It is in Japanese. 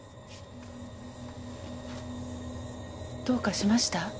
どうかしました？